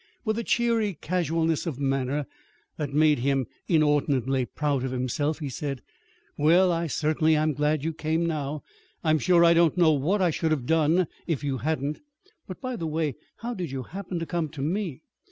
With a cheery casualness of manner, that made him inordinately proud of himself, he said: "Well, I certainly am glad you came now. I'm sure I don't know what I should have done, if you hadn't. But, by the way, how did you happen to come to me?"